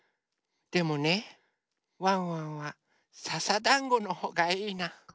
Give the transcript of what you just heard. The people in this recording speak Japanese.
でもねワンワンはささだんごのほうがいいな。